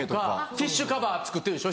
ティッシュカバー作ってるでしょ